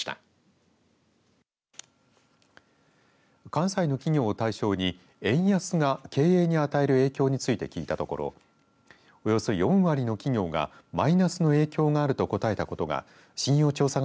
関西の企業を対象に円安が経営に与える影響について聞いたところおよそ４割の企業がマイナスの影響があると答えたことが信用調査